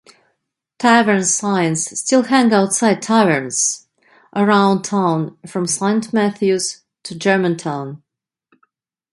Tavern signs still hang outside taverns around town from Saint Matthews to Germantown.